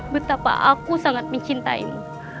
betapa aku sangat mencintaimu